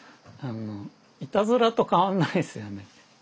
いたずらと変わんないですよね。